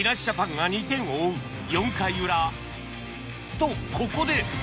とここで